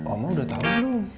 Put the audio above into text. oma udah tau